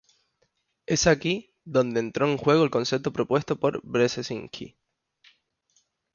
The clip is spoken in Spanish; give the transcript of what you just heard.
Es aquí donde entró en juego el concepto propuesto por Brzezinski.